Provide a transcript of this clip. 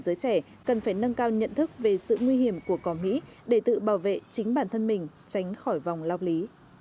giới trẻ cần phải nâng cao nhận thức về sự nguy hiểm của cỏ mỹ để tự bảo vệ chính bản thân mình tránh khỏi vòng lao lý